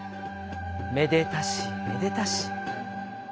めでたしめでたし。